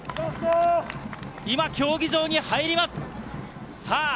今、競技場に入ります。